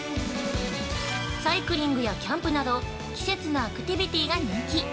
サイクリングやキャンプなど季節のアクティビティーが人気！